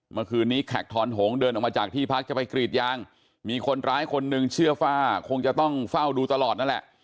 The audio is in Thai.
เมื่อคืนนี้แขกทอนหงเดินออกมาจากที่พักจะไปกรีดยางมีคนร้ายคนหนึ่งเชื่อว่าคงจะต้องเฝ้าดูตลอดนั่นแหละ